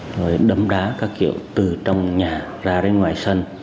rồi đấm đá các kiểu từ trong nhà ra đến ngoài sân